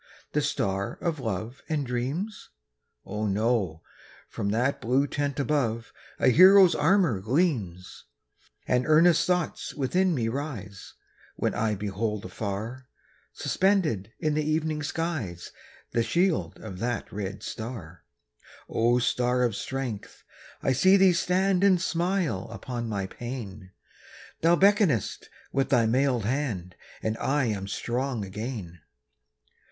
The star of love and dreams? Oh, no! from that blue tent above, A hero's armour gleams. And earnest thoughts within me rise, When I behold afar, Suspended in the evening skies The shield of that red star. O star of strength! I see thee stand And smile upon my pain; Thou beckonest with thy mailed hand, And I am strong again.